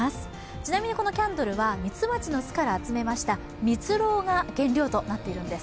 ちなみにこのキャンドルは蜜蜂の巣から集めました蜜蝋が原料となっているんです。